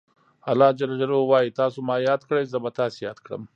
الله ج وایي تاسو ما یاد کړئ زه به تاسې یاد کړم.